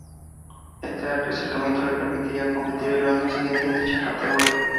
Este acercamiento, le permitiría competir al año siguiente en dicha categoría.